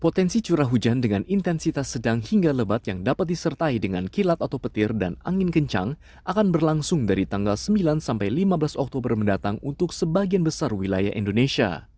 potensi curah hujan dengan intensitas sedang hingga lebat yang dapat disertai dengan kilat atau petir dan angin kencang akan berlangsung dari tanggal sembilan sampai lima belas oktober mendatang untuk sebagian besar wilayah indonesia